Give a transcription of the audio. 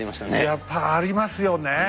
やっぱありますよね。